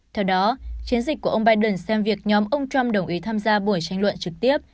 theo đó chiến dịch của ông biden xem việc nhóm ông trump đồng ý tham gia buổi tranh luận trực tiếp